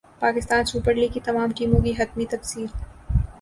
Pakistan super league کی تمام ٹیموں کی حتمی تفصیل